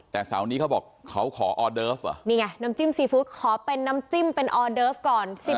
แต่เสาร์นี้เขาบอกเขาขอออเดิฟเหรอนี่ไงน้ำจิ้มซีฟู้ดขอเป็นน้ำจิ้มเป็นออเดิฟก่อน